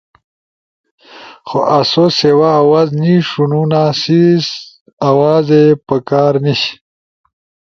خو آسو سیوا آواز نی ݜونونا سیں آوازے پکار نیِش۔